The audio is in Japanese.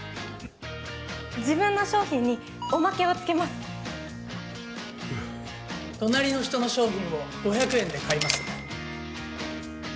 自分の商品におまけをつけます隣の人の商品を５００円で買います